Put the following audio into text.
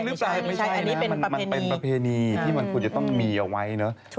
ไม่ใช่นะมันเป็นประเพณีที่มันควรจะต้องมีเอาไว้เนอะ